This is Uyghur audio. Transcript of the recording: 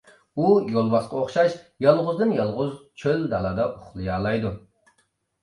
ئۇ يولۋاسقا ئوخشاش يالغۇزدىن-يالغۇز چۆل-دالادا ئۇخلىيالايدۇ.